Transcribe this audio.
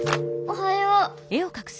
おはよう。